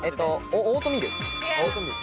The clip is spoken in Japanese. オートミール。